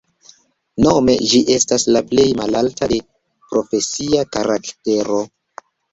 Nome ĝi estas la plej malalta de profesia karaktero.